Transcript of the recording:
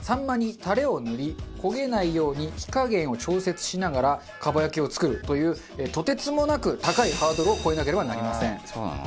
まにタレを塗り焦げないように火加減を調節しながら蒲焼を作るというとてつもなく高いハードルを越えなければなりません。